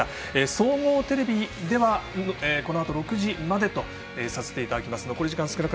総合テレビではこのあと６時までとさせていただきます。